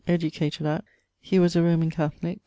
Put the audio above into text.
educated at.... He was a Roman Catholique.